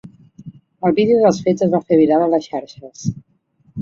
El vídeo dels fets es va fer viral a les xarxes.